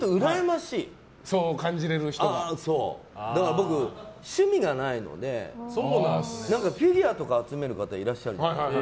僕、趣味がないのでフィギュアとか集める方いらっしゃるじゃないですか。